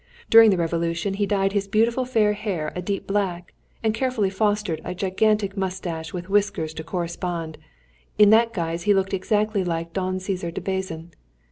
During the Revolution he dyed his beautiful fair hair a deep black, and carefully fostered a gigantic moustache with whiskers to correspond; in that guise he looked exactly like Don Cæsar de Bazan.